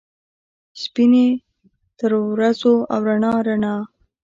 سپینې ترورځو ، او رڼا ، رڼا